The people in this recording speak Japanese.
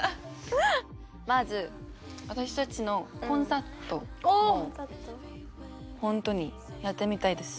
まず私たちのコンサートを本当にやってみたいです。